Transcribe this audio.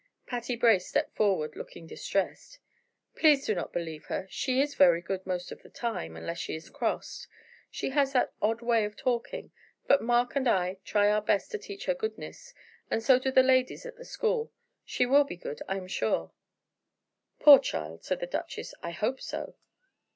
Patty Brace stepped forward, looking distressed. "Please do not believe her she is very good, most of the time, unless she is crossed. She has that odd way of talking, but Mark and I try our best to teach her goodness, and so do the ladies at the school. She will be good, I am sure." "Poor child," said the duchess, "I hope so."